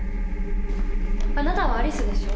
あなたはアリスでしょ？